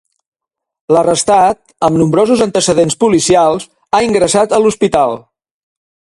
L'arrestat, amb nombrosos antecedents policials, ha ingressat a l'hospital.